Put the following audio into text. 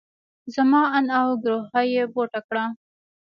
زما اند او ګروهه يې بوته کړه.